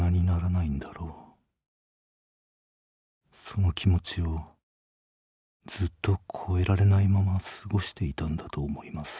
その気持ちをずっと越えられないまま過ごしていたんだと思います」。